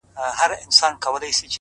بې وسي _